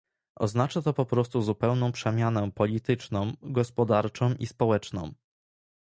Oznacza to po prostu zupełną przemianę polityczną, gospodarczą i społeczną